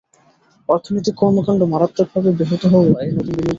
অর্থনৈতিক কর্মকাণ্ড মারাত্মকভাবে ব্যাহত হওয়ায় নতুন বিনিয়োগের জন্য ঋণের চাহিদা ছিল কম।